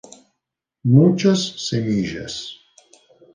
Muchas semillas.